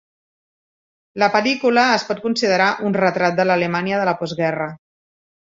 La pel·lícula es pot considerar un retrat de l'Alemanya de la postguerra.